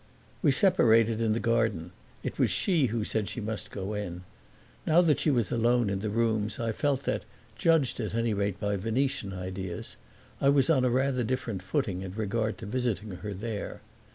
We separated in the garden (it was she who said she must go in); now that she was alone in the rooms I felt that (judged, at any rate, by Venetian ideas) I was on rather a different footing in regard to visiting her there.